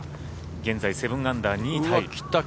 現在、７アンダー、２位タイ。